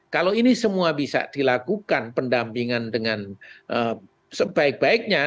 kalau ini semua bisa dilakukan pendampingan dengan sebaik baiknya